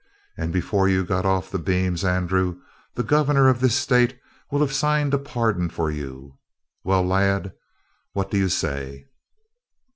And before you got off the beams, Andrew, the governor of this State will have signed a pardon for you. Well, lad, what do you say?"